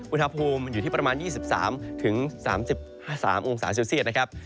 อุณหภูมิอยู่ที่ประมาณ๒๓๓องศาเซลเซียตนะครับ